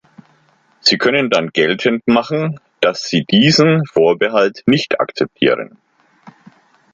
Sie können dann geltend machen, dass sie diesen Vorbehalt nicht akzeptieren.